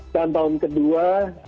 dan tahun kedua